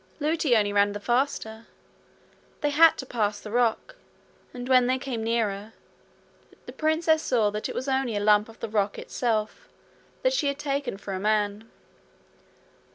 Lootie only ran the faster. They had to pass the rock, and when they came nearer, the princess saw it was only a lump of the rock itself that she had taken for a man.